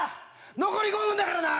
残り５分だからな！